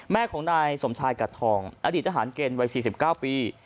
แม่ของนายสมชายกัดทองอดีตทหารเกณฑ์วัย๔๙ปี